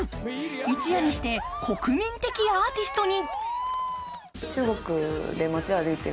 一夜にして国民的アーティストに。